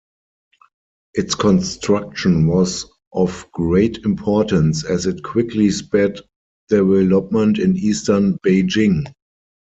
Its construction was of great importance as it quickly sped development in eastern Beijing.